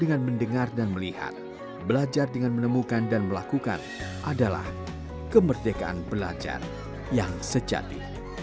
dengan mendengar dan melihat belajar dengan menemukan dan melakukan adalah kemerdekaan belajar yang sejati